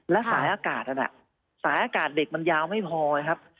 และสายอากาศนั้นสายอากาศเด็กมันยาวไม่พอนะครับ